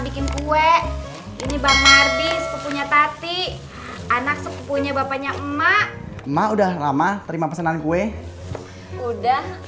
bikin kue ini bang mardis sepunya tati anak sepupunya bapaknya emak emak udah lama terima pesanan kue udah